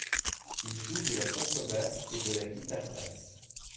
Il joue de la contrebasse et de la guitare basse.